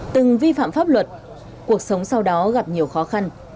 từng vi phạm pháp luật cuộc sống sau đó gặp nhiều khó khăn